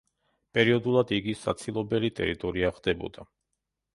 პერიოდულად იგი საცილობელი ტერიტორია ხდებოდა.